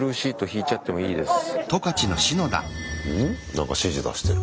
何か指示出してる。